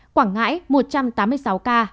quảng ngãi một trăm tám mươi sáu ca